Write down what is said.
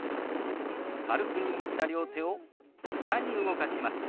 軽く握った両手を下に動かします。